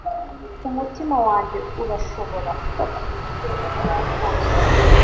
Umutima wanjye urashobora gufata uburyo ubwo aribwo bwose